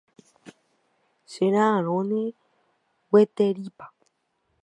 Chera'ãrõne gueterípa.